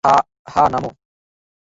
হ্যাঁ, নামো।